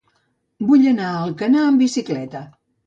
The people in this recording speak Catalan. Vull anar a Alcanar amb bicicleta.